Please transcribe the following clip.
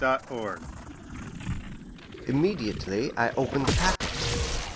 BE SAINT OR IMP Immediately I opened the packet.